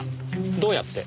どうやって？